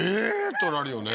となるよね